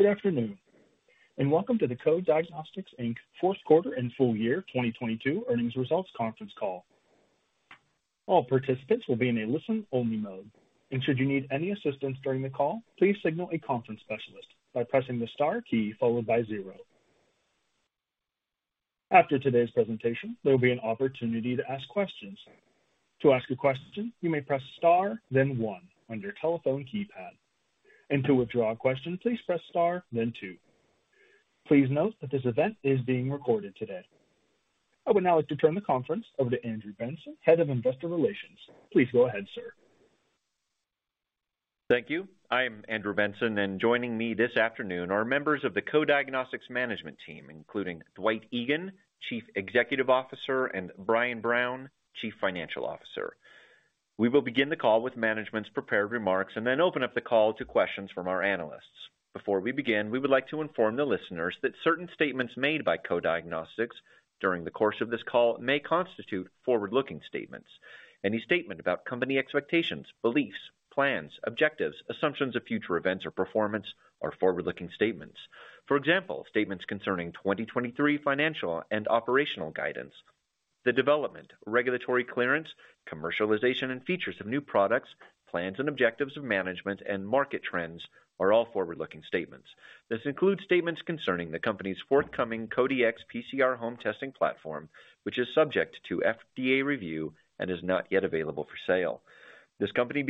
Good afternoon, and welcome to the Co-Diagnostics, Inc fourth quarter and full year 2022 earnings results conference call. All participants will be in a listen-only mode. Should you need any assistance during the call, please signal a conference specialist by pressing the star key followed by zero. After today's presentation, there will be an opportunity to ask questions. To ask a question, you may press star, then one on your telephone keypad. To withdraw a question, please press star then two. Please note that this event is being recorded today. I would now like to turn the conference over to Andrew Benson, Head of Investor Relations. Please go ahead, sir. Thank you. I am Andrew Benson, joining me this afternoon are members of the Co-Diagnostics management team, including Dwight Egan, Chief Executive Officer, and Brian Brown, Chief Financial Officer. We will begin the call with management's prepared remarks then open up the call to questions from our analysts. Before we begin, we would like to inform the listeners that certain statements made by Co-Diagnostics during the course of this call may constitute forward-looking statements. Any statement about company expectations, beliefs, plans, objectives, assumptions of future events or performance are forward-looking statements. For example, statements concerning 2023 financial and operational guidance, the development, regulatory clearance, commercialization and features of new products, plans and objectives of management and market trends are all forward-looking statements. This includes statements concerning the company's forthcoming Co-Dx PCR Home testing platform, which is subject to FDA review and is not yet available for sale. The company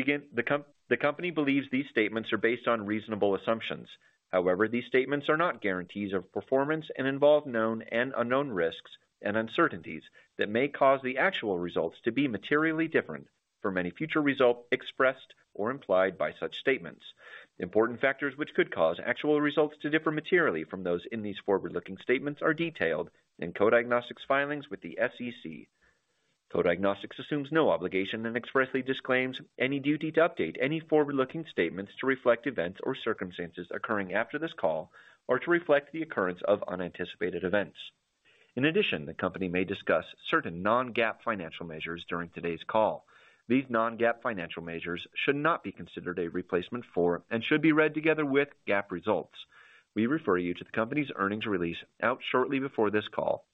believes these statements are based on reasonable assumptions. However, these statements are not guarantees of performance and involve known and unknown risks and uncertainties that may cause the actual results to be materially different for many future result expressed or implied by such statements. Important factors which could cause actual results to differ materially from those in these forward-looking statements are detailed in Co-Diagnostics filings with the SEC. Co-Diagnostics assumes no obligation and expressly disclaims any duty to update any forward-looking statements to reflect events or circumstances occurring after this call or to reflect the occurrence of unanticipated events. In addition, the company may discuss certain non-GAAP financial measures during today's call. These non-GAAP financial measures should not be considered a replacement for and should be read together with GAAP results. We refer you to the company's earnings release out shortly before this call,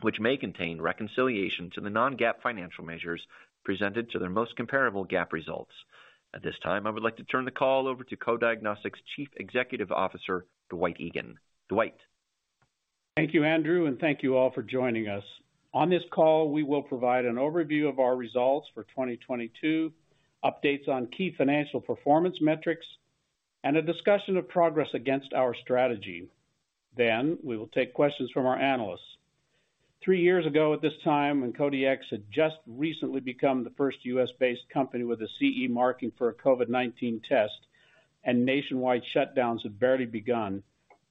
which may contain reconciliation to the non-GAAP financial measures presented to their most comparable GAAP results. At this time, I would like to turn the call over to Co-Diagnostics Chief Executive Officer, Dwight Egan. Dwight. Thank you, Andrew, and thank you all for joining us. On this call, we will provide an overview of our results for 2022, updates on key financial performance metrics, and a discussion of progress against our strategy. We will take questions from our analysts. Three years ago at this time, when Co-Dx had just recently become the first U.S.-based company with a CE marking for a COVID-19 test and nationwide shutdowns had barely begun,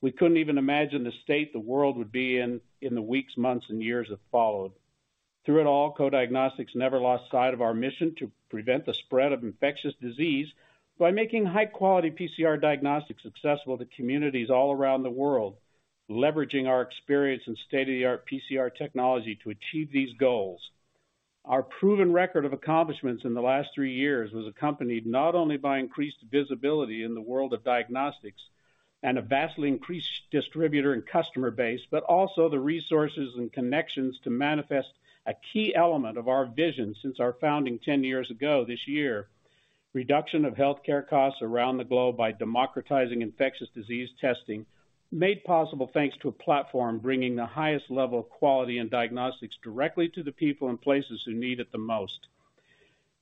we couldn't even imagine the state the world would be in the weeks, months, and years that followed. Through it all, Co-Diagnostics never lost sight of our mission to prevent the spread of infectious disease by making high-quality PCR diagnostics successful to communities all around the world, leveraging our experience in state-of-the-art PCR technology to achieve these goals. Our proven record of accomplishments in the last three years was accompanied not only by increased visibility in the world of diagnostics and a vastly increased distributor and customer base, but also the resources and connections to manifest a key element of our vision since our founding 10 years ago this year. Reduction of healthcare costs around the globe by democratizing infectious disease testing, made possible thanks to a platform bringing the highest level of quality in diagnostics directly to the people and places who need it the most.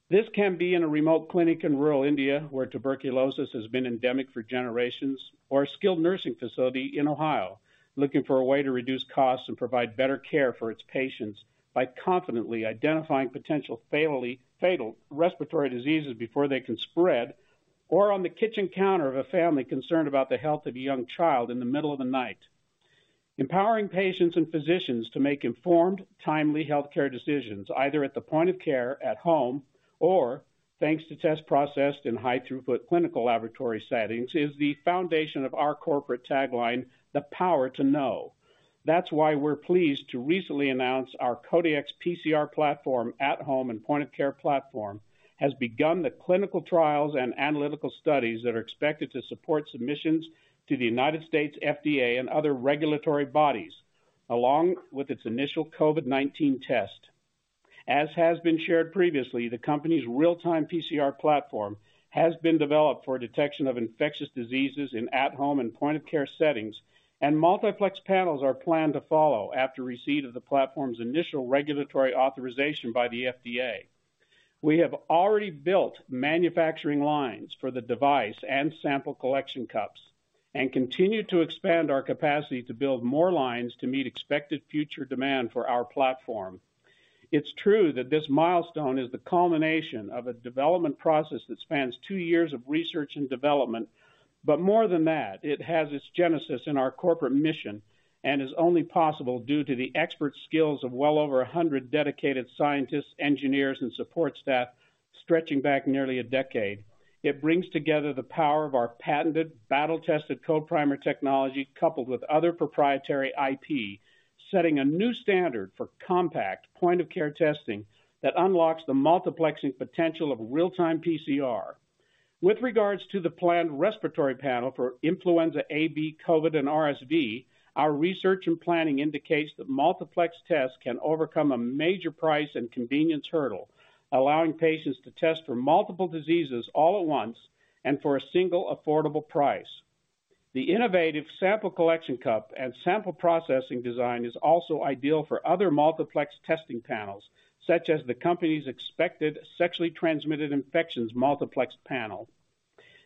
This can be in a remote clinic in rural India, where tuberculosis has been endemic for generations, or a skilled nursing facility in Ohio, looking for a way to reduce costs and provide better care for its patients by confidently identifying potential fatal respiratory diseases before they can spread, or on the kitchen counter of a family concerned about the health of a young child in the middle of the night. Empowering patients and physicians to make informed, timely healthcare decisions, either at the point of care at home or thanks to test processed in high throughput clinical laboratory settings, is the foundation of our corporate tagline, "The Power to Know." That's why we're pleased to recently announce our Co-Dx PCR platform at home and point-of-care platform, has begun the clinical trials and analytical studies that are expected to support submissions to the United States FDA and other regulatory bodies, along with its initial COVID-19 test. As has been shared previously, the company's real-time PCR platform has been developed for detection of infectious diseases in at-home and point-of-care settings, and multiplex panels are planned to follow after receipt of the platform's initial regulatory authorization by the FDA. We have already built manufacturing lines for the device and sample collection cups and continue to expand our capacity to build more lines to meet expected future demand for our platform. It's true that this milestone is the culmination of a development process that spans two years of research and development. More than that, it has its genesis in our corporate mission and is only possible due to the expert skills of well over 100 dedicated scientists, engineers, and support staff stretching back nearly a decade. It brings together the power of our patented, battle-tested Co-Primer technology, coupled with other proprietary IP, setting a new standard for compact point-of-care testing that unlocks the multiplexing potential of real-time PCR. With regards to the planned respiratory panel for influenza A, B, COVID, and RSV, our research and planning indicates that multiplex tests can overcome a major price and convenience hurdle, allowing patients to test for multiple diseases all at once and for a single affordable price. The innovative sample collection cup and sample processing design is also ideal for other multiplex testing panels, such as the company's expected sexually transmitted infections multiplex panel.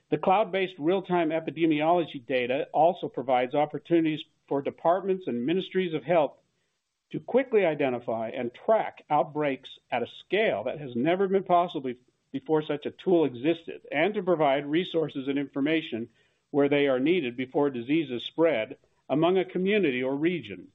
The cloud-based real-time epidemiology data also provides opportunities for departments and ministries of health to quickly identify and track outbreaks at a scale that has never been possible before such a tool existed, and to provide resources and information where they are needed before diseases spread among a community or region.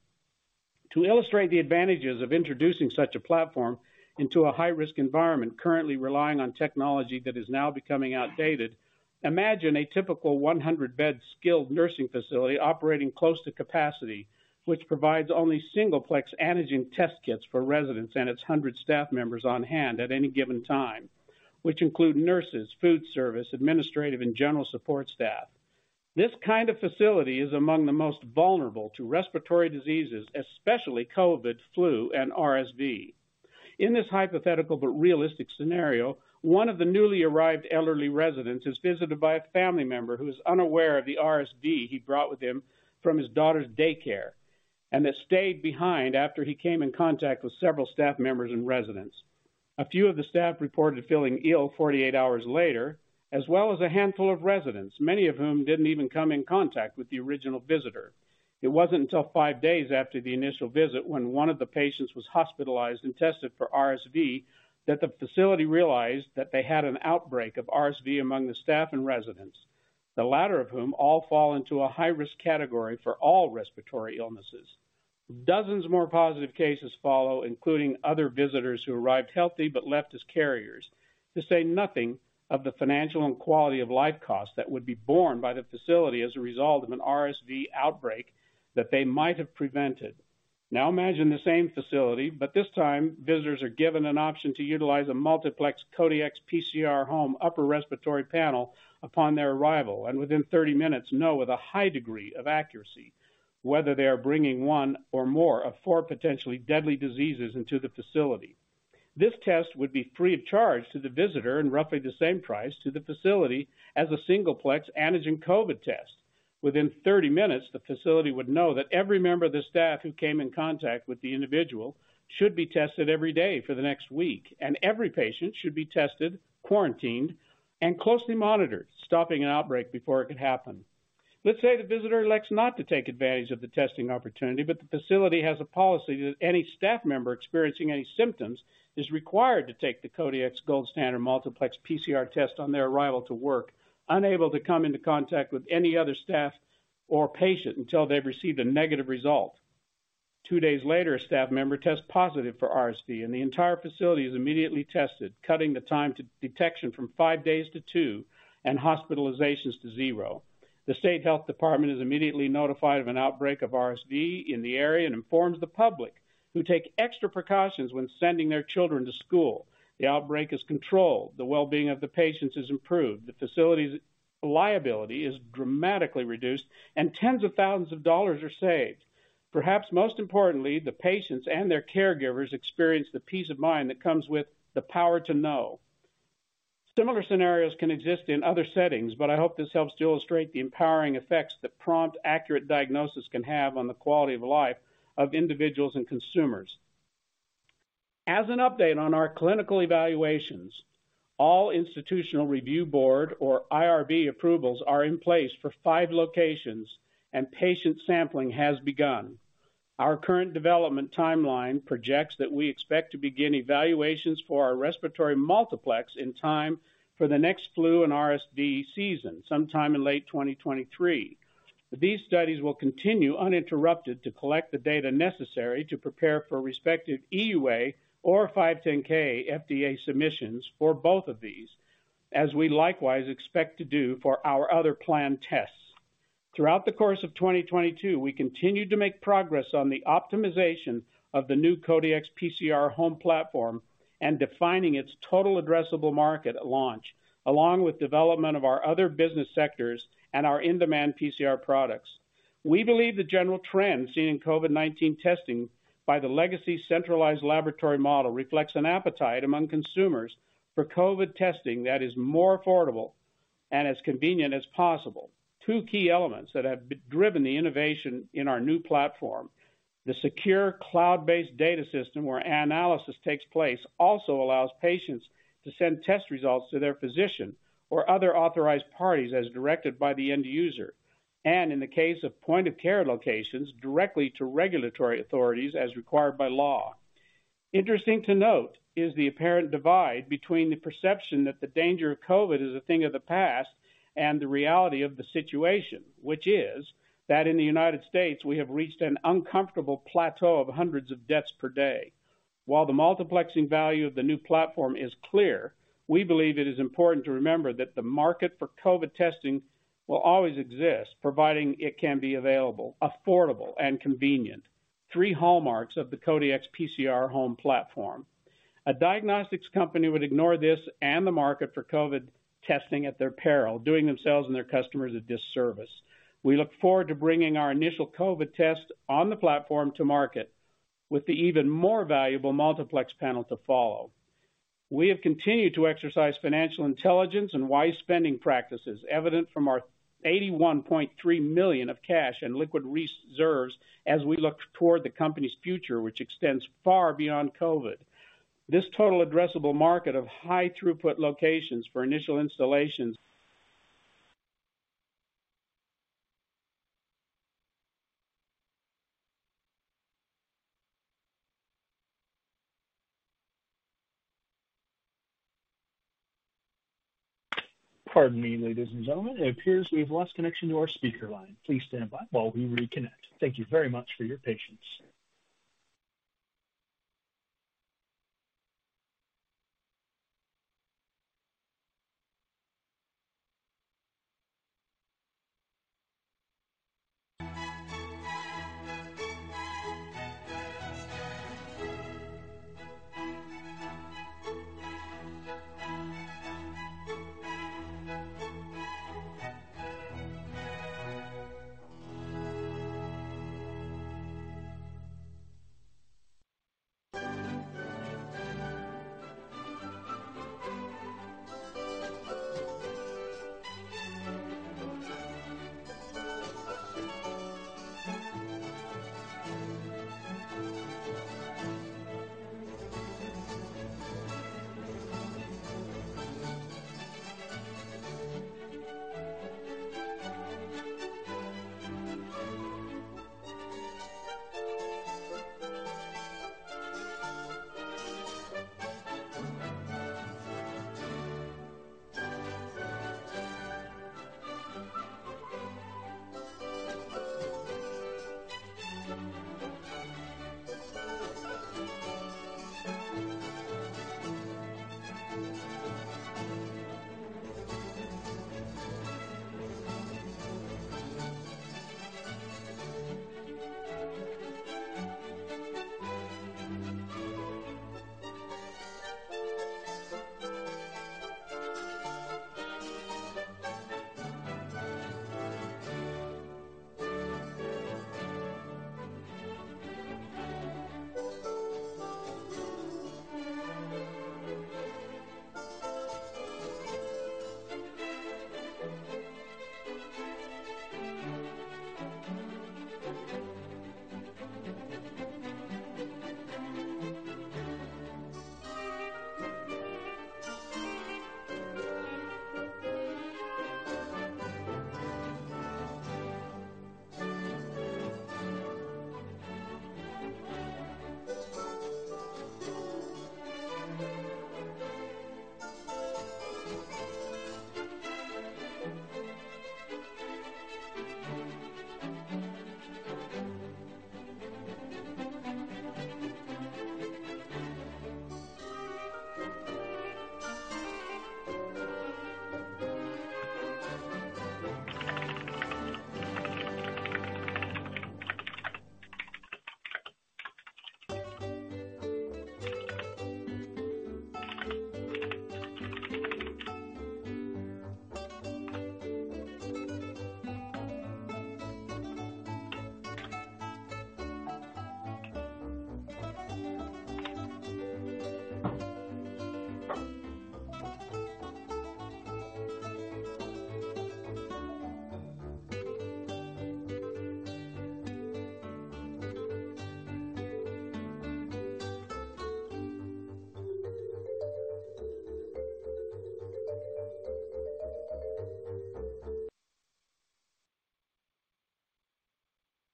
To illustrate the advantages of introducing such a platform into a high-risk environment currently relying on technology that is now becoming outdated, imagine a typical 100-bed skilled nursing facility operating close to capacity, which provides only single-plex antigen test kits for residents and its 100 staff members on hand at any given time, which include nurses, food service, administrative, and general support staff. This kind of facility is among the most vulnerable to respiratory diseases, especially COVID, flu, and RSV. In this hypothetical but realistic scenario, one of the newly arrived elderly residents is visited by a family member who is unaware of the RSV he brought with him from his daughter's daycare, and that stayed behind after he came in contact with several staff members and residents. A few of the staff reported feeling ill 48 hours later, as well as a handful of residents, many of whom didn't even come in contact with the original visitor. It wasn't until five days after the initial visit when one of the patients was hospitalized and tested for RSV, that the facility realized that they had an outbreak of RSV among the staff and residents, the latter of whom all fall into a high-risk category for all respiratory illnesses. Dozens more positive cases follow, including other visitors who arrived healthy but left as carriers. To say nothing of the financial and quality of life costs that would be borne by the facility as a result of an RSV outbreak that they might have prevented. Imagine the same facility, but this time, visitors are given an option to utilize a multiplex Co-Dx PCR Home upper respiratory panel upon their arrival, and within 30 minutes know with a high degree of accuracy, whether they are bringing one or more of four potentially deadly diseases into the facility. This test would be free of charge to the visitor in roughly the same price to the facility as a single-plex antigen COVID test. Within 30 minutes, the facility would know that every member of the staff who came in contact with the individual should be tested every day for the next week, and every patient should be tested, quarantined, and closely monitored, stopping an outbreak before it could happen. Let's say the visitor elects not to take advantage of the testing opportunity, but the facility has a policy that any staff member experiencing any symptoms is required to take the Co-Dx gold standard multiplex PCR test on their arrival to work, unable to come into contact with any other staff or patient until they've received a negative result. Two days later, a staff member tests positive for RSV, and the entire facility is immediately tested, cutting the time to detection from five days to two, and hospitalizations to zero. The state health department is immediately notified of an outbreak of RSV in the area and informs the public, who take extra precautions when sending their children to school. The outbreak is controlled, the well-being of the patients is improved, the facility's liability is dramatically reduced, and tens of thousands of dollars are saved. Perhaps most importantly, the patients and their caregivers experience the peace of mind that comes with the power to know. Similar scenarios can exist in other settings, but I hope this helps to illustrate the empowering effects that prompt accurate diagnosis can have on the quality of life of individuals and consumers. As an update on our clinical evaluations, all institutional review board or IRB approvals are in place for five locations, and patient sampling has begun. Our current development timeline projects that we expect to begin evaluations for our respiratory multiplex in time for the next flu and RSV season, sometime in late 2023. These studies will continue uninterrupted to collect the data necessary to prepare for respective EUA or 510(k) FDA submissions for both of these, as we likewise expect to do for our other planned tests. Throughout the course of 2022, we continued to make progress on the optimization of the new Co-Dx PCR Home platform and defining its total addressable market at launch, along with development of our other business sectors and our in-demand PCR products. We believe the general trend seen in COVID-19 testing by the legacy centralized laboratory model reflects an appetite among consumers for COVID testing that is more affordable and as convenient as possible. Two key elements that have driven the innovation in our new platform, the secure cloud-based data system where analysis takes place, also allows patients to send test results to their physician or other authorized parties as directed by the end user, and in the case of point-of-care locations, directly to regulatory authorities as required by law. Interesting to note is the apparent divide between the perception that the danger of COVID is a thing of the past and the reality of the situation, which is that in the United States, we have reached an uncomfortable plateau of hundreds of deaths per day. While the multiplexing value of the new platform is clear, we believe it is important to remember that the market for COVID testing will always exist, providing it can be available, affordable, and convenient. Three hallmarks of the Co-Dx PCR Home platform. A diagnostics company would ignore this and the market for COVID testing at their peril, doing themselves and their customers a disservice. We look forward to bringing our initial COVID test on the platform to market with the even more valuable multiplex panel to follow. We have continued to exercise financial intelligence and wise spending practices evident from our $81.3 million of cash and liquid reserves as we look toward the company's future, which extends far beyond COVID. This total addressable market of high throughput locations for initial installations. Pardon me, ladies and gentlemen. It appears we've lost connection to our speaker line. Please stand by while we reconnect. Thank you very much for your patience.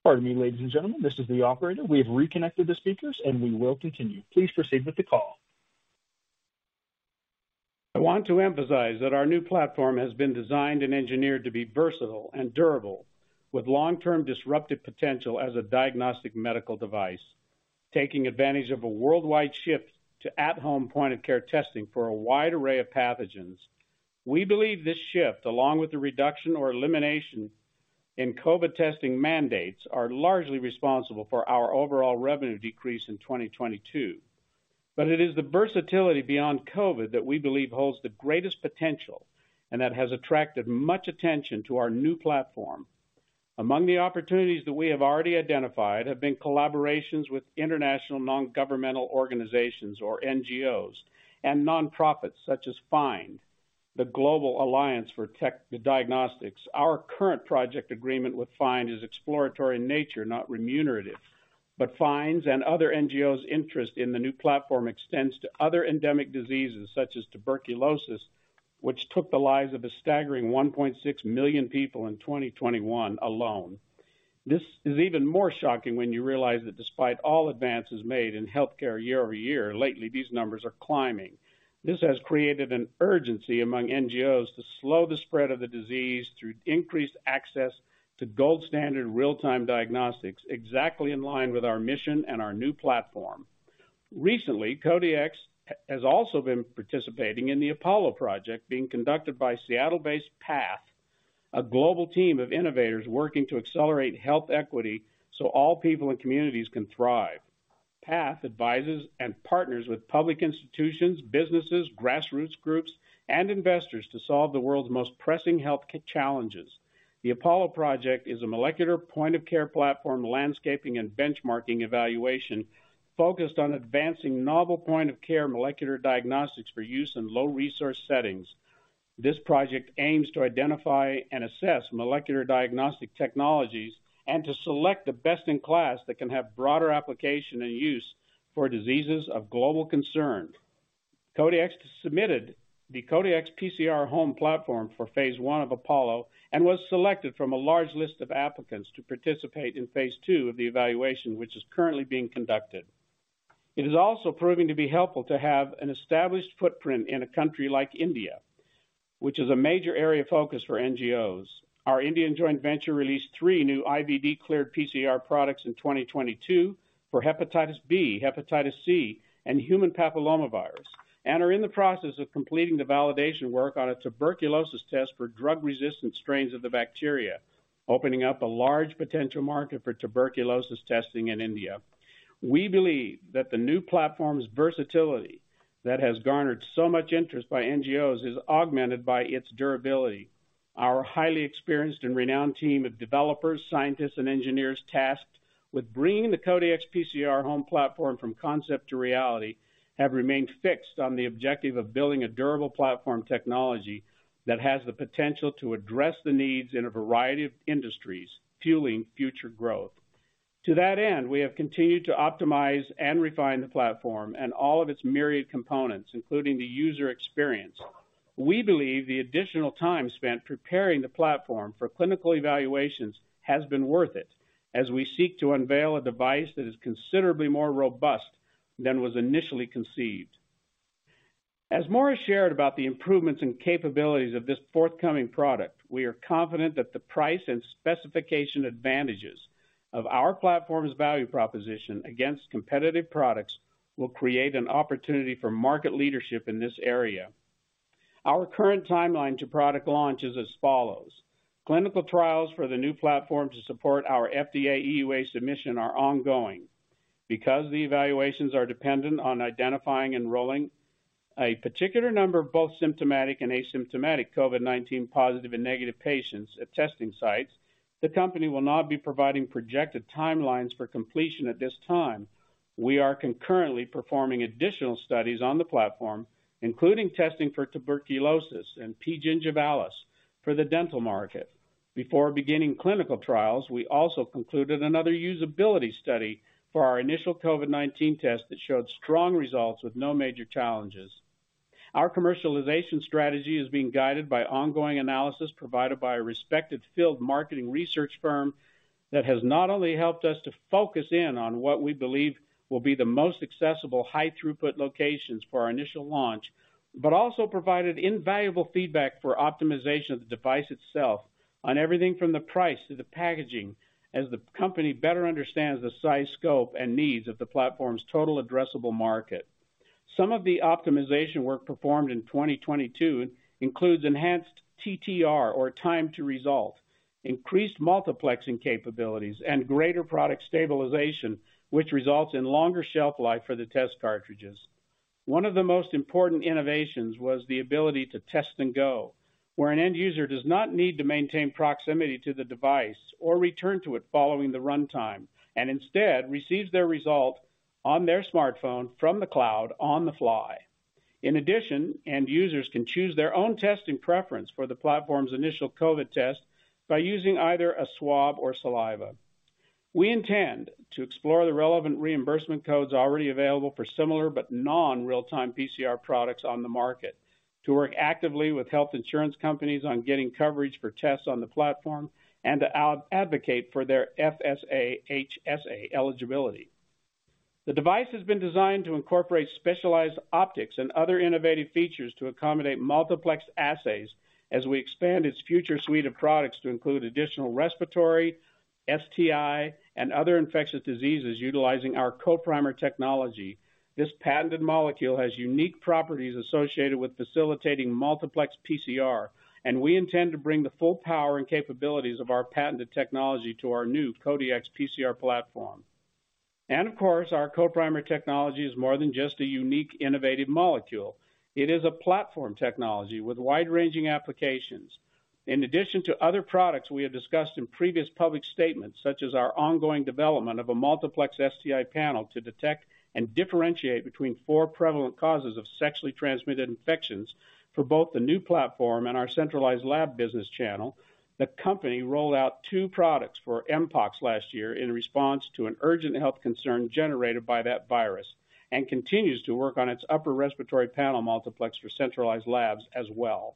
Pardon me, ladies and gentlemen, this is the operator. We have reconnected the speakers, and we will continue. Please proceed with the call. I want to emphasize that our new platform has been designed and engineered to be versatile and durable, with long-term disruptive potential as a diagnostic medical device, taking advantage of a worldwide shift to at-home point-of-care testing for a wide array of pathogens. We believe this shift, along with the reduction or elimination in COVID testing mandates, are largely responsible for our overall revenue decrease in 2022. It is the versatility beyond COVID that we believe holds the greatest potential and that has attracted much attention to our new platform. Among the opportunities that we have already identified have been collaborations with international non-governmental organizations, or NGOs, and nonprofits such as FIND, the global alliance for diagnostics. Our current project agreement with FIND is exploratory in nature, not remunerative. FIND's and other NGOs' interest in the new platform extends to other endemic diseases such as tuberculosis, which took the lives of a staggering $1.6 million people in 2021 alone. This is even more shocking when you realize that despite all advances made in healthcare year-over-year, lately, these numbers are climbing. This has created an urgency among NGOs to slow the spread of the disease through increased access to gold standard real-time diagnostics, exactly in line with our mission and our new platform. Recently, Co-Dx has also been participating in the Apollo project being conducted by Seattle-based PATH global team of innovators working to accelerate health equity so all people and communities can thrive. PATH advises and partners with public institutions, businesses, grassroots groups, and investors to solve the world's most pressing health challenges. The Apollo project is a molecular point of care platform, landscaping and benchmarking evaluation focused on advancing novel point of care molecular diagnostics for use in low resource settings. This project aims to identify and assess molecular diagnostic technologies and to select the best in class that can have broader application and use for diseases of global concern. Co-Dx submitted the Co-Dx PCR Home platform for phase one of Apollo, and was selected from a large list of applicants to participate in phase two of the evaluation, which is currently being conducted. It is also proving to be helpful to have an established footprint in a country like India, which is a major area of focus for NGOs. Our Indian joint venture released three new IVD cleared PCR products in 2022 for hepatitis B, hepatitis C, and human papillomavirus, and are in the process of completing the validation work on a tuberculosis test for drug-resistant strains of the bacteria, opening up a large potential market for tuberculosis testing in India. We believe that the new platform's versatility that has garnered so much interest by NGOs is augmented by its durability. Our highly experienced and renowned team of developers, scientists, and engineers tasked with bringing the Co-Dx PCR Home platform from concept to reality, have remained fixed on the objective of building a durable platform technology that has the potential to address the needs in a variety of industries, fueling future growth. To that end, we have continued to optimize and refine the platform and all of its myriad components, including the user experience. We believe the additional time spent preparing the platform for clinical evaluations has been worth it, as we seek to unveil a device that is considerably more robust than was initially conceived. As more is shared about the improvements and capabilities of this forthcoming product, we are confident that the price and specification advantages of our platform's value proposition against competitive products will create an opportunity for market leadership in this area. Our current timeline to product launch is as follows: clinical trials for the new platform to support our FDA EUA submission are ongoing. Because the evaluations are dependent on identifying and enrolling a particular number of both symptomatic and asymptomatic COVID-19 positive and negative patients at testing sites, the company will not be providing projected timelines for completion at this time. We are concurrently performing additional studies on the platform, including testing for tuberculosis and P. gingivalis for the dental market. Before beginning clinical trials, we also concluded another usability study for our initial COVID-19 test that showed strong results with no major challenges. Our commercialization strategy is being guided by ongoing analysis provided by a respected field marketing research firm that has not only helped us to focus in on what we believe will be the most accessible, high throughput locations for our initial launch, but also provided invaluable feedback for optimization of the device itself on everything from the price to the packaging, as the company better understands the size, scope, and needs of the platform's total addressable market. Some of the optimization work performed in 2022 includes enhanced TTR, or time to resolve, increased multiplexing capabilities and greater product stabilization, which results in longer shelf life for the test cartridges. One of the most important innovations was the ability to test and go, where an end user does not need to maintain proximity to the device or return to it following the runtime, and instead receives their result on their smartphone from the cloud on the fly. In addition, end users can choose their own testing preference for the platform's initial COVID test by using either a swab or saliva. We intend to explore the relevant reimbursement codes already available for similar but non-real-time PCR products on the market to work actively with health insurance companies on getting coverage for tests on the platform and to advocate for their FSA, HSA eligibility. The device has been designed to incorporate specialized optics and other innovative features to accommodate multiplex assays as we expand its future suite of products to include additional respiratory, STI, and other infectious diseases utilizing our Co-Primer technology. This patented molecule has unique properties associated with facilitating multiplex PCR, and we intend to bring the full power and capabilities of our patented technology to our new Co-Dx PCR platform. Of course, our Co-Primer technology is more than just a unique, innovative molecule. It is a platform technology with wide-ranging applications. In addition to other products we have discussed in previous public statements, such as our ongoing development of a multiplex STI panel to detect and differentiate between four prevalent causes of sexually transmitted infections for both the new platform and our centralized lab business channel, the company rolled out two products for mpox last year in response to an urgent health concern generated by that virus, and continues to work on its upper respiratory panel multiplex for centralized labs as well.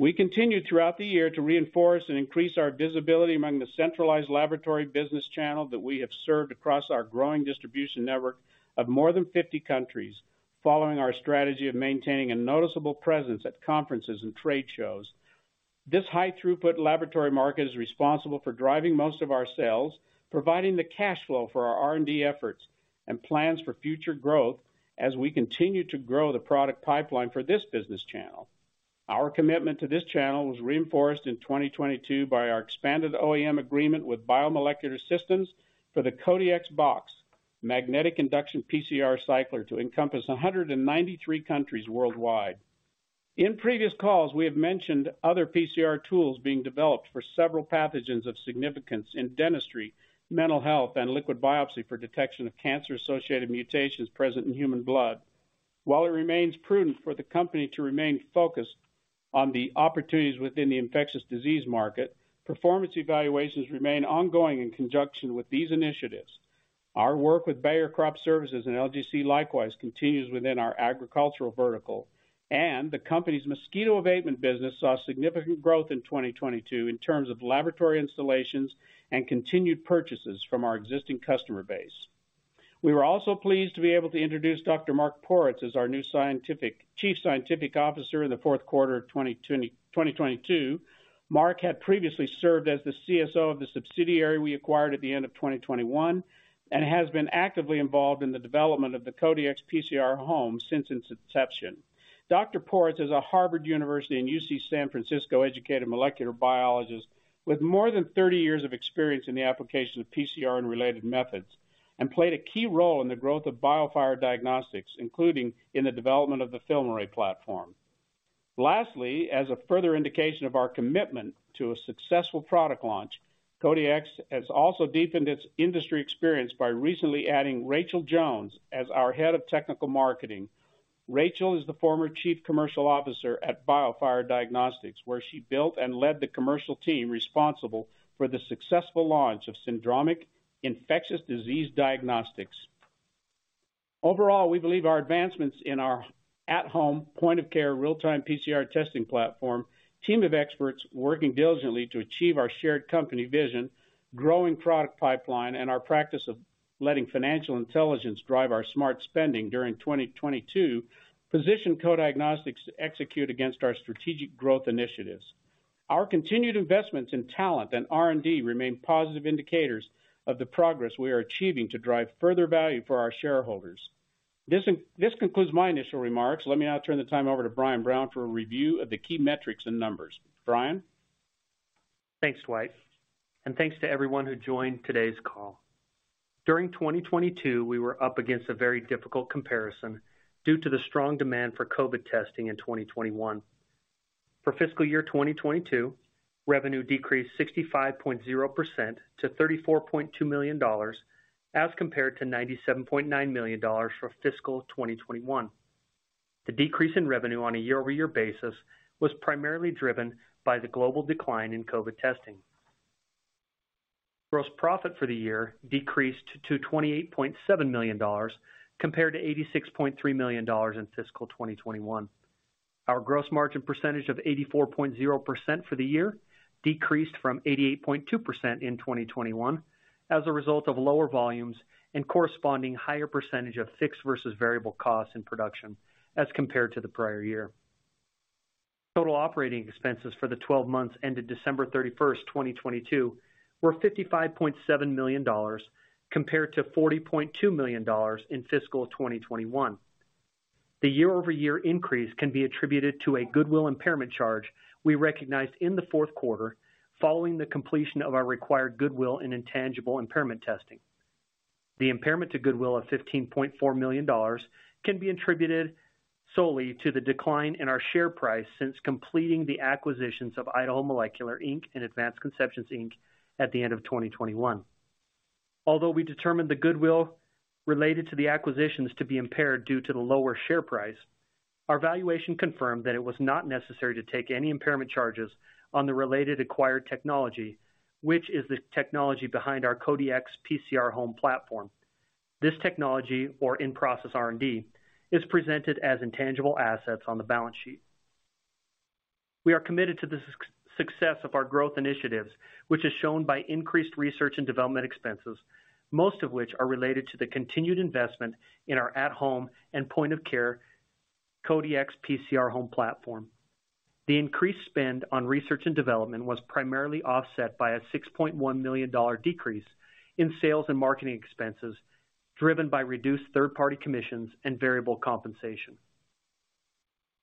We continued throughout the year to reinforce and increase our visibility among the centralized laboratory business channel that we have served across our growing distribution network of more than 50 countries following our strategy of maintaining a noticeable presence at conferences and trade shows. This high throughput laboratory market is responsible for driving most of our sales, providing the cash flow for our R&D efforts. Plans for future growth as we continue to grow the product pipeline for this business channel. Our commitment to this channel was reinforced in 2022 by our expanded OEM agreement with Bio Molecular Systems for the Co-Dx Box magnetic induction PCR cycler to encompass 193 countries worldwide. In previous calls, we have mentioned other PCR tools being developed for several pathogens of significance in dentistry, mental health, and liquid biopsy for detection of cancer-associated mutations present in human blood. While it remains prudent for the company to remain focused on the opportunities within the infectious disease market, performance evaluations remain ongoing in conjunction with these initiatives. Our work with Bayer Crop Science and LGC likewise continues within our agricultural vertical, and the company's mosquito abatement business saw significant growth in 2022 in terms of laboratory installations and continued purchases from our existing customer base. We were also pleased to be able to introduce Dr. Mark Poritz as our new Chief Scientific Officer in the fourth quarter of 2022. Mark had previously served as the CSO of the subsidiary we acquired at the end of 2021, and has been actively involved in the development of the Co-Dx PCR Home since its inception. Poritz is a Harvard University and UC San Francisco educated molecular biologist with more than 30 years of experience in the application of PCR and related methods, and played a key role in the growth of BioFire Diagnostics, including in the development of the FilmArray platform. Lastly, as a further indication of our commitment to a successful product launch, Co-Dx has also deepened its industry experience by recently adding Rachel Jones as our head of technical marketing. Rachel is the former chief commercial officer at BioFire Diagnostics, where she built and led the commercial team responsible for the successful launch of syndromic infectious disease diagnostics. Overall, we believe our advancements in our at-home, point-of-care, real-time PCR testing platform, team of experts working diligently to achieve our shared company vision, growing product pipeline, and our practice of letting financial intelligence drive our smart spending during 2022, position Co-Diagnostics to execute against our strategic growth initiatives. Our continued investments in talent and R&D remain positive indicators of the progress we are achieving to drive further value for our shareholders. This concludes my initial remarks. Let me now turn the time over to Brian Brown for a review of the key metrics and numbers. Brian? Thanks, Dwight, and thanks to everyone who joined today's call. During 2022, we were up against a very difficult comparison due to the strong demand for COVID testing in 2021. For fiscal year 2022, revenue decreased 65.0% to $34.2 million, as compared to $97.9 million for fiscal 2021. The decrease in revenue on a year-over-year basis was primarily driven by the global decline in COVID testing. Gross profit for the year decreased to $28.7 million, compared to $86.3 million in fiscal 2021. Our gross margin percentage of 84.0% for the year decreased from 88.2% in 2021, as a result of lower volumes and corresponding higher percentage of fixed versus variable costs in production as compared to the prior year. Total operating expenses for the 12 months ended December 31, 2022, were $55.7 million, compared to $40.2 million in fiscal 2021. The year-over-year increase can be attributed to a goodwill impairment charge we recognized in the fourth quarter following the completion of our required goodwill and intangible impairment testing. The impairment to goodwill of $15.4 million can be attributed solely to the decline in our share price since completing the acquisitions of Idaho Molecular Inc and Advanced Conceptions, Inc at the end of 2021. Although we determined the goodwill related to the acquisitions to be impaired due to the lower share price, our valuation confirmed that it was not necessary to take any impairment charges on the related acquired technology, which is the technology behind our Co-Dx PCR Home platform. This technology, or in-process R&D, is presented as intangible assets on the balance sheet. We are committed to the success of our growth initiatives, which is shown by increased research and development expenses, most of which are related to the continued investment in our at-home and point-of-care Co-Dx PCR Home platform. The increased spend on research and development was primarily offset by a $6.1 million decrease in sales and marketing expenses, driven by reduced third-party commissions and variable compensation.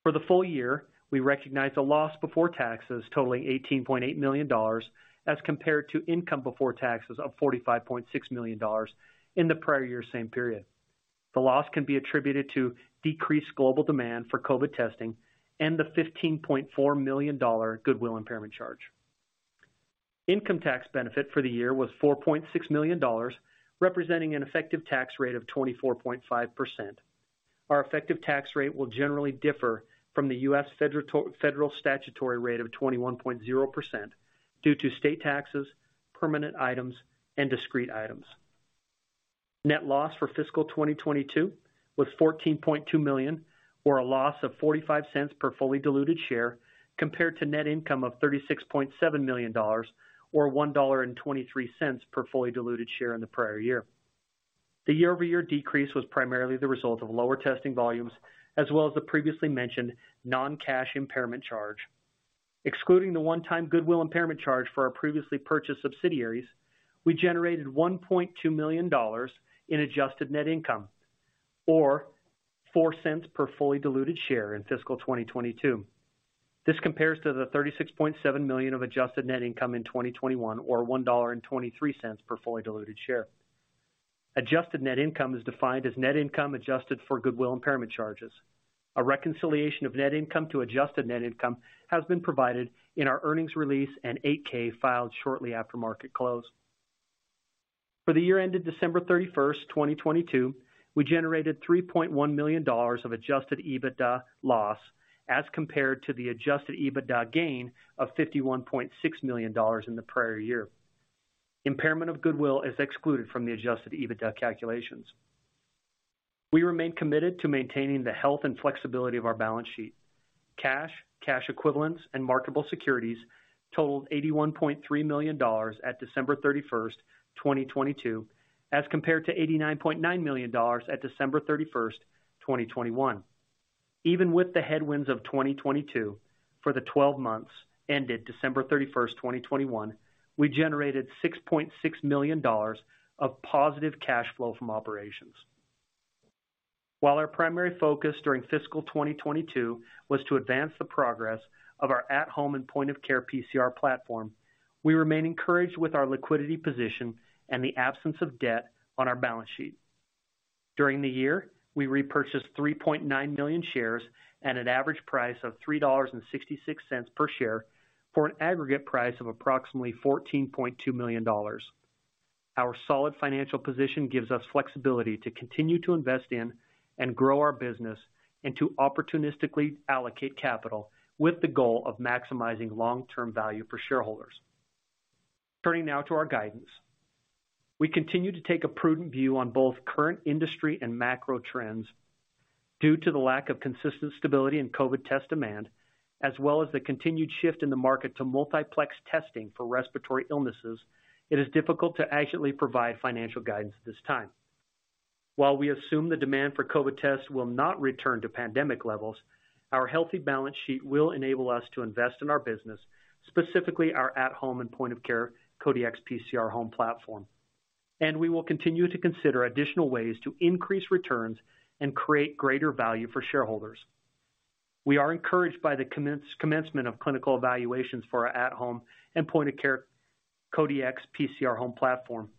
For the full year, we recognized a loss before taxes totaling $18.8 million, as compared to income before taxes of $45.6 million in the prior year same period. The loss can be attributed to decreased global demand for COVID testing and the $15.4 million goodwill impairment charge. Income tax benefit for the year was $4.6 million, representing an effective tax rate of 24.5%. Our effective tax rate will generally differ from the U.S. federal statutory rate of 21.0% due to state taxes, permanent items, and discrete items. Net loss for fiscal 2022 was $14.2 million, or a loss of $0.45 per fully diluted share, compared to net income of $36.7 million or $1.23 per fully diluted share in the prior year. The year-over-year decrease was primarily the result of lower testing volumes as well as the previously mentioned non-cash impairment charge. Excluding the one time goodwill impairment charge for our previously purchased subsidiaries, we generated $1.2 million in adjusted net income, or $0.04 per fully diluted share in fiscal 2022. This compares to the $36.7 million of adjusted net income in 2021, or $1.23 per fully diluted share. Adjusted net income is defined as net income adjusted for goodwill impairment charges. A reconciliation of net income to adjusted net income has been provided in our earnings release and 8-K filed shortly after market close. For the year ended December 31st, 2022, we generated $3.1 million of adjusted EBITDA loss as compared to the adjusted EBITDA gain of $51.6 million in the prior year. Impairment of goodwill is excluded from the adjusted EBITDA calculations. We remain committed to maintaining the health and flexibility of our balance sheet. Cash, cash equivalents, and marketable securities totaled $81.3 million at December 31st, 2022, as compared to $89.9 million at December 31st, 2021. Even with the headwinds of 2022, for the 12 months ended December 31st, 2021, we generated $6.6 million of positive cash flow from operations. While our primary focus during fiscal 2022 was to advance the progress of our at-home and point-of-care PCR platform, we remain encouraged with our liquidity position and the absence of debt on our balance sheet. During the year, we repurchased 3.9 million shares at an average price of $3.66 per share for an aggregate price of approximately $14.2 million. Our solid financial position gives us flexibility to continue to invest in and grow our business and to opportunistically allocate capital with the goal of maximizing long-term value for shareholders. Turning now to our guidance. We continue to take a prudent view on both current industry and macro trends. Due to the lack of consistent stability in COVID test demand, as well as the continued shift in the market to multiplex testing for respiratory illnesses, it is difficult to accurately provide financial guidance at this time. While we assume the demand for COVID tests will not return to pandemic levels, our healthy balance sheet will enable us to invest in our business, specifically our at-home and point-of-care Co-Dx PCR Home platform. We will continue to consider additional ways to increase returns and create greater value for shareholders. We are encouraged by the commencement of clinical evaluations for our at-home and point-of-care Co-Dx PCR Home platform.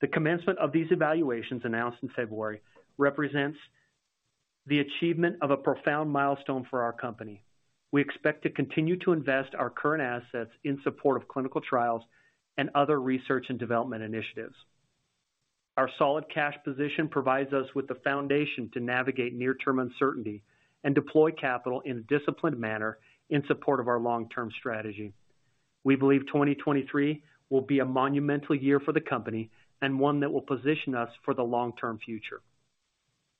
The commencement of these evaluations, announced in February, represents the achievement of a profound milestone for our company. We expect to continue to invest our current assets in support of clinical trials and other research and development initiatives. Our solid cash position provides us with the foundation to navigate near-term uncertainty and deploy capital in a disciplined manner in support of our long-term strategy. We believe 2023 will be a monumental year for the company and one that will position us for the long-term future.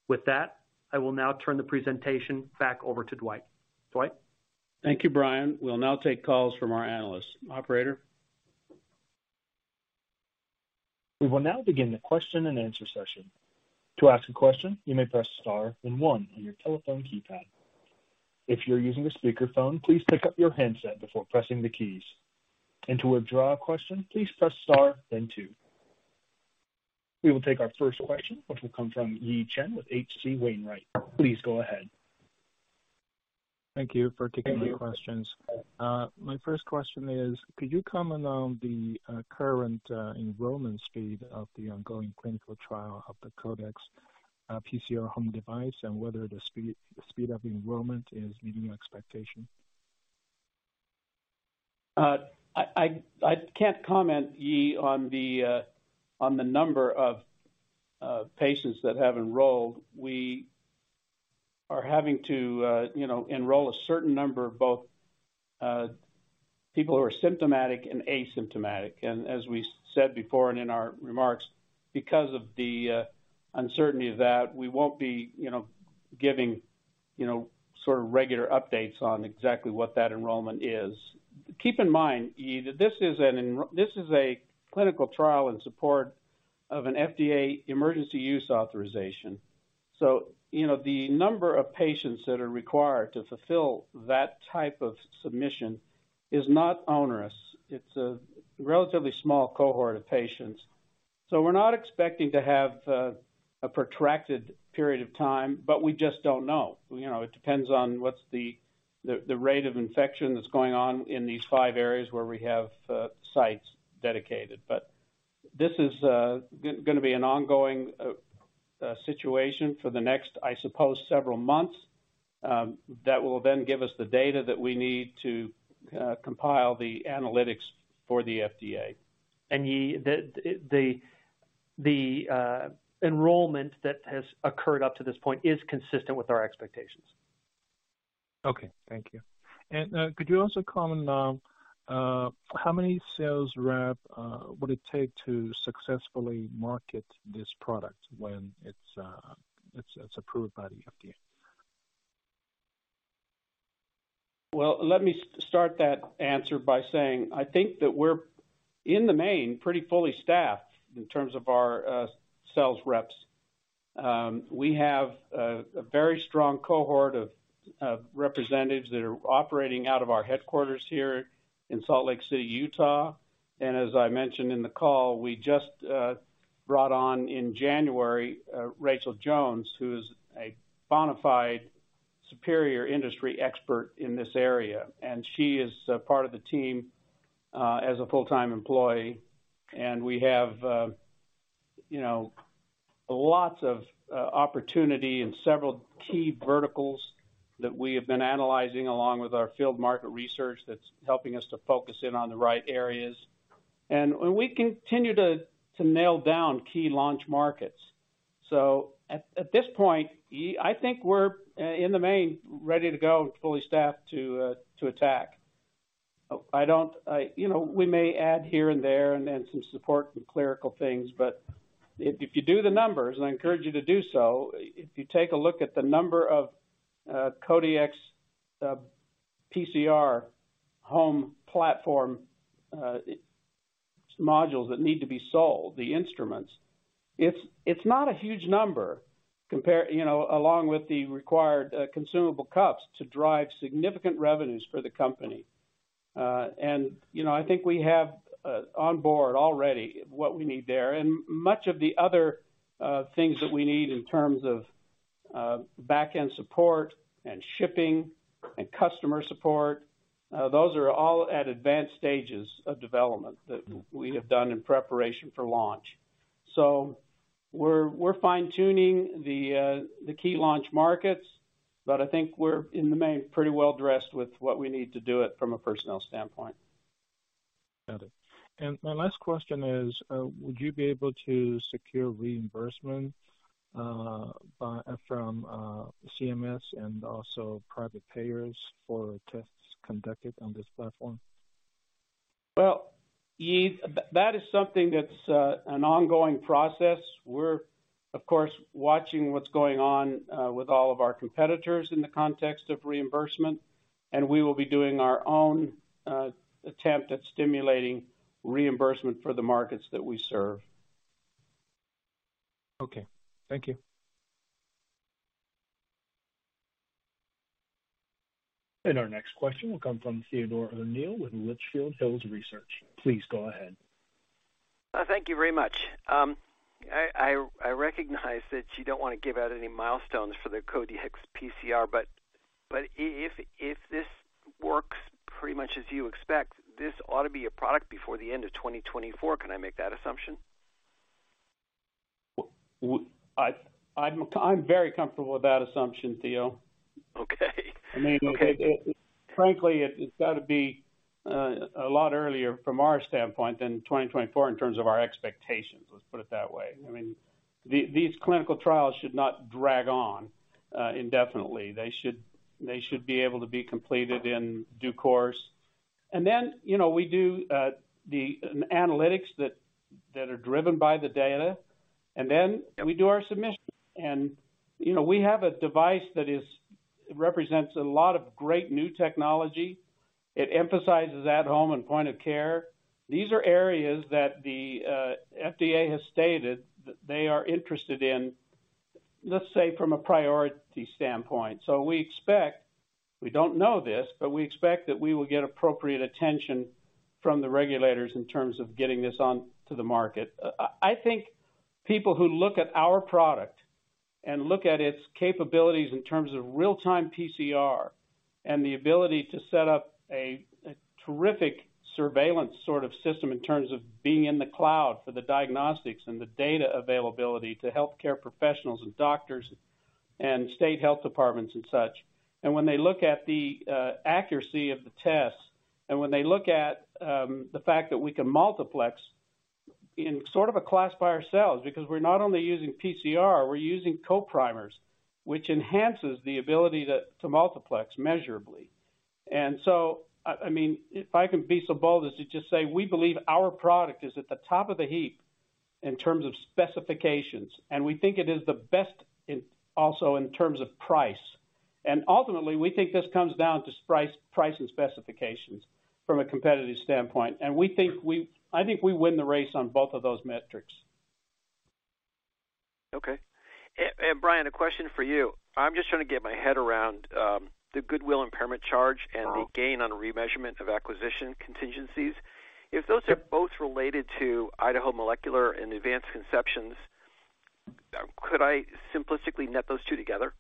With that, I will now turn the presentation back over to Dwight. Dwight? Thank you, Brian. We'll now take calls from our analysts. Operator? We will now begin the question and answer session. To ask a question, you may press star then one on your telephone keypad. If you're using a speakerphone, please pick up your handset before pressing the keys. To withdraw a question, please press star then two. We will take our first question, which will come from Yi Chen with H.C. Wainwright. Please go ahead. Thank you for taking my questions. My first question is, could you comment on the current enrollment speed of the ongoing clinical trial of the Co-Dx PCR Home device and whether the speed of enrollment is meeting your expectation? I can't comment, Yi, on the number of patients that have enrolled. We are having to, you know, enroll a certain number of both people who are symptomatic and asymptomatic. As we said before and in our remarks, because of the uncertainty of that, we won't be, you know, giving, you know, sort of regular updates on exactly what that enrollment is. Keep in mind, Yi, that this is a clinical trial in support of an FDA emergency use authorization. You know, the number of patients that are required to fulfill that type of submission is not onerous. It's a relatively small cohort of patients. We're not expecting to have a protracted period of time, but we just don't know. You know, it depends on what's the rate of infection that's going on in these five areas where we have sites dedicated. This is gonna be an ongoing situation for the next, I suppose, several months, that will then give us the data that we need to compile the analytics for the FDA. Yi, the enrollment that has occurred up to this point is consistent with our expectations. Okay. Thank you. Could you also comment on how many sales rep would it take to successfully market this product when it's approved by the FDA? Well, let me start that answer by saying I think that we're, in the main, pretty fully staffed in terms of our sales reps. We have a very strong cohort of representatives that are operating out of our headquarters here in Salt Lake City, Utah. As I mentioned in the call, we just brought on in January Rachel Jones, who is a bona fide superior industry expert in this area. She is part of the team as a full-time employee. We have, you know, lots of opportunity and several key verticals that we have been analyzing along with our field market research that's helping us to focus in on the right areas. We continue to nail down key launch markets. At this point, I think we're in the main ready to go and fully staffed to attack. You know, we may add here and there and some support with clerical things, but if you do the numbers, and I encourage you to do so, if you take a look at the number of Co-Dx PCR Home platform modules that need to be sold, the instruments, it's not a huge number compare, you know, along with the required consumable cups to drive significant revenues for the company. You know, I think we have on board already what we need there. Much of the other things that we need in terms of backend support and shipping and customer support, those are all at advanced stages of development that we have done in preparation for launch. We're, we're fine-tuning the key launch markets, but I think we're, in the main, pretty well dressed with what we need to do it from a personnel standpoint. Got it. My last question is, would you be able to secure reimbursement from CMS and also private payers for tests conducted on this platform? Yi, that is something that's an ongoing process. We're, of course, watching what's going on with all of our competitors in the context of reimbursement, and we will be doing our own attempt at stimulating reimbursement for the markets that we serve. Okay. Thank you. Our next question will come from Theodore O'Neill with Litchfield Hills Research. Please go ahead. Thank you very much. I recognize that you don't wanna give out any milestones for the Co-Dx PCR, but if this works pretty much as you expect, this ought to be a product before the end of 2024. Can I make that assumption? Well, I'm very comfortable with that assumption, Theo. Okay. I mean. Okay. Frankly, it's gotta be a lot earlier from our standpoint than 2024 in terms of our expectations, let's put it that way. I mean, these clinical trials should not drag on indefinitely. They should be able to be completed in due course. Then, you know, we do an analytics that are driven by the data. Then we do our submission. You know, we have a device that represents a lot of great new technology. It emphasizes at-home and point of care. These are areas that the FDA has stated that they are interested in, let's say, from a priority standpoint. We expect, we don't know this, but we expect that we will get appropriate attention from the regulators in terms of getting this on to the market. I think people who look at our product and look at its capabilities in terms of real-time PCR and the ability to set up a terrific surveillance sort of system in terms of being in the cloud for the diagnostics and the data availability to healthcare professionals and doctors and state health departments and such. When they look at the accuracy of the test and when they look at the fact that we can multiplex in sort of a class by ourselves, because we're not only using PCR, we're using Co-Primer, which enhances the ability to multiplex measurably. I mean, if I can be so bold as to just say, we believe our product is at the top of the heap in terms of specifications, and we think it is the best in, also in terms of price. ultimately, we think this comes down to price, and specifications from a competitive standpoint. we think I think we win the race on both of those metrics. Okay. Brian, a question for you. I'm just trying to get my head around the goodwill impairment charge. Sure. the gain on remeasurement of acquisition contingencies. If those are both related to Idaho Molecular and Advanced Conceptions, could I simplistically net those two together?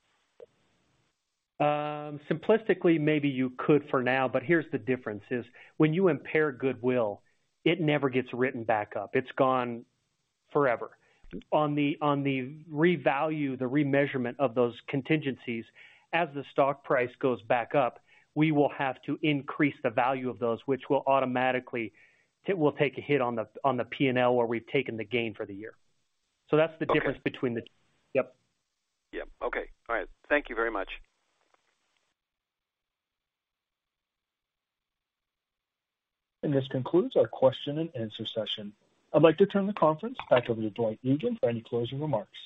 Simplistically, maybe you could for now, but here's the difference, is when you impair goodwill, it never gets written back up. It's gone forever. On the revalue, the remeasurement of those contingencies, as the stock price goes back up, we will have to increase the value of those, which will automatically will take a hit on the P&L where we've taken the gain for the year. Okay. That's the difference between the two. Yep. Yeah. Okay. All right. Thank you very much. This concludes our question and answer session. I'd like to turn the conference back over to Dwight Egan for any closing remarks.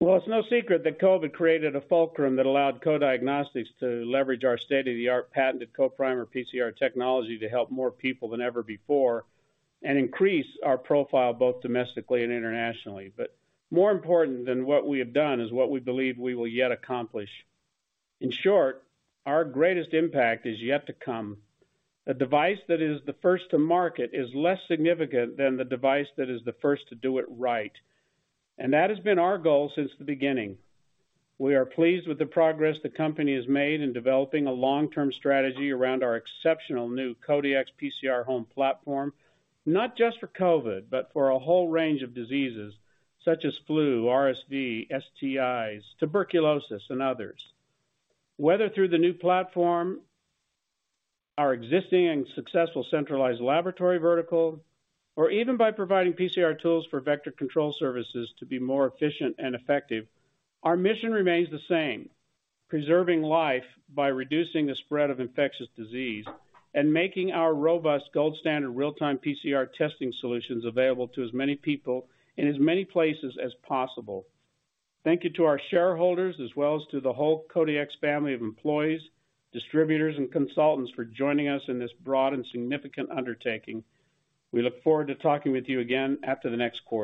It's no secret that COVID created a fulcrum that allowed Co-Diagnostics to leverage our state-of-the-art patented Co-Primer PCR technology to help more people than ever before and increase our profile both domestically and internationally. More important than what we have done is what we believe we will yet accomplish. In short, our greatest impact is yet to come. A device that is the first to market is less significant than the device that is the first to do it right, and that has been our goal since the beginning. We are pleased with the progress the company has made in developing a long-term strategy around our exceptional new Co-Dx PCR Home platform, not just for COVID, but for a whole range of diseases such as flu, RSV, STIs, tuberculosis, and others. Whether through the new platform, our existing and successful centralized laboratory vertical, or even by providing PCR tools for vector control services to be more efficient and effective, our mission remains the same: preserving life by reducing the spread of infectious disease and making our robust gold standard real-time PCR testing solutions available to as many people in as many places as possible. Thank you to our shareholders as well as to the whole Co-Dx family of employees, distributors, and consultants for joining us in this broad and significant undertaking. We look forward to talking with you again after the next quarter.